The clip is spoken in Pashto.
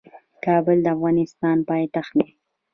کابل د افغانستان پايتخت دي.